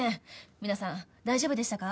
皆さん大丈夫でしたか？